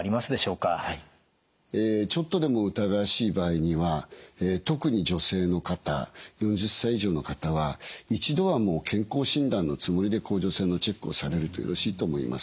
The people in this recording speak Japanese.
ちょっとでも疑わしい場合には特に女性の方４０歳以上の方は一度は健康診断のつもりで甲状腺のチェックをされるとよろしいと思います。